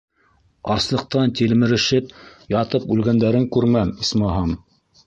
Аслыҡтан тилмерешеп ятып үлгәндәрен күрмәм, исмаһа-ам...